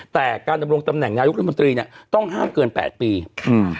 แต่การดำรงตำแหน่งนายกรัฐมนตรีเนี้ยต้องห้ามเกินแปดปีอืม